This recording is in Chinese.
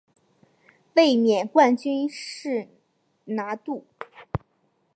卫冕冠军是拿度。